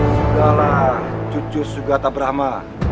sudahlah cucu sugata brahma